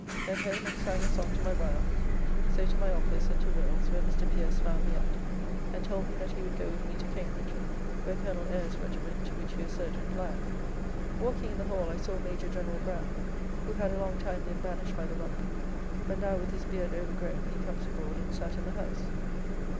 Then home and sang a song to my viall, so to my office and to Will's, where Mr. Pierce found me out, and told me that he would go with me to Cambridge, where Colonel Ayre's regiment, to which he was surgeon, lieth. Walking in the Hall, I saw Major General Brown, who had along time been banished by the Rump, but now with his beard overgrown, he comes abroad and sat in the House.